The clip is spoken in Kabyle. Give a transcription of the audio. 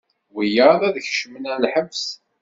Wiyaḍ ad kecmen ɣer lḥebs.